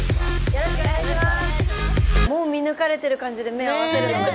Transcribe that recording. よろしくお願いします。